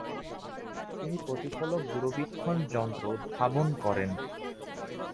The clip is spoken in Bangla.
তিনি প্রতিফলক দূরবীক্ষণ যন্ত্র উদ্ভাবন করেন।